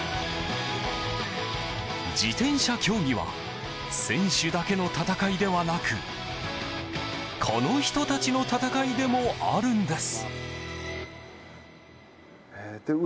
自転車競技は選手だけの戦いではなくこの人たちの戦いでもあるんです。